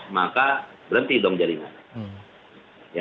maka berhenti dong jaringannya